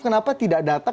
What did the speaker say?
kenapa tidak datang